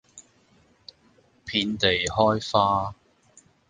遍地開花